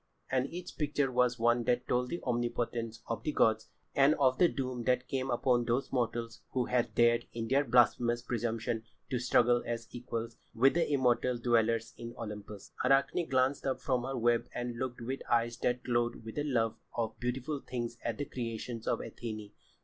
And each picture was one that told of the omnipotence of the gods and of the doom that came upon those mortals who had dared in their blasphemous presumption to struggle as equals with the immortal dwellers in Olympus. Arachne glanced up from her web and looked with eyes that glowed with the love of beautiful things at the creations of Athené.